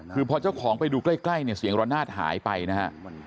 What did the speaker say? คือพอเจ้าของไปดูใกล้เนี่ยเสียงระนาดหายไปนะฮะ